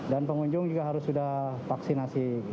dan pengunjung juga harus sudah vaksinasi